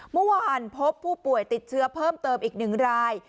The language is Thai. เมื่อวานพบผู้ป่วยติดเชื้อเพิ่มเติมอีก๑ราย